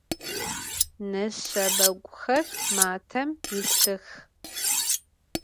Neşşebeguxer matem yilhıx.